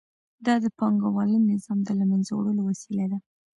دا د پانګوالي نظام د له منځه وړلو وسیله ده